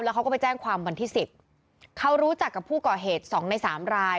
เขาก็ไปแจ้งความวันที่สิบเขารู้จักกับผู้ก่อเหตุสองในสามราย